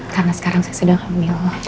karena sekarang saya sedang hamil